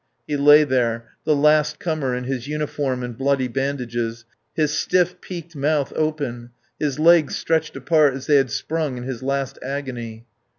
He lay there, the last comer, in his uniform and bloody bandages, his stiff, peaked mouth open, his legs stretched apart as they had sprung in his last agony.